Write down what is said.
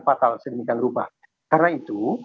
fatal sedemikian rupa karena itu